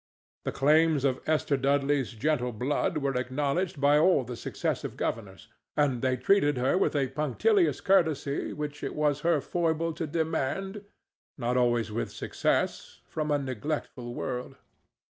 The claims of Esther Dudley's gentle blood were acknowledged by all the successive governors, and they treated her with the punctilious courtesy which it was her foible to demand, not always with success, from a neglectful world.